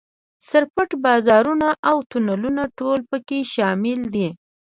سر پټ بازارونه او تونلونه ټول په کې شامل دي.